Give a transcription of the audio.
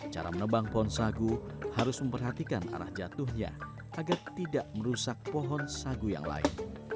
cara menebang pohon sagu harus memperhatikan arah jatuhnya agar tidak merusak pohon sagu yang lain